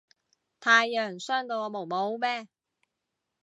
太陽傷到我毛毛咩